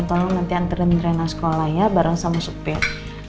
tolong nanti anterin rena sekolah ya bareng sama supir